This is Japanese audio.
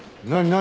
何？